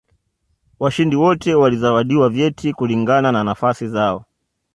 washindi wote walizawadiwa vyeti kulingana na nafasi zao